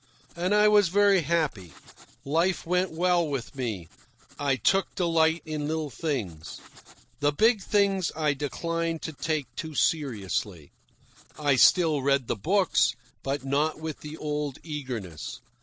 And I was very happy. Life went well with me, I took delight in little things. The big things I declined to take too seriously. I still read the books, but not with the old eagerness.